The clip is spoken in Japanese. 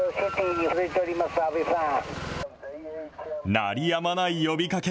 鳴りやまない呼びかけ。